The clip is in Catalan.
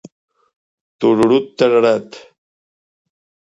Tururut, tararat.